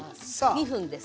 ２分です。